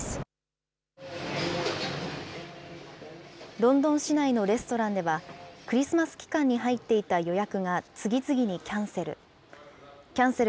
ロンドン市内のレストランでは、クリスマス期間に入っていた予約が次々にキャンセル。